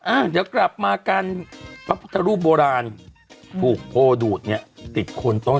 อ่ะเดี๋ยวกลับมากันพระพุทธรูปโบราณถูกโพดูดเนี่ยติดคนต้น